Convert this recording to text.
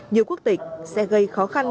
như quốc tịch sẽ gây khó khăn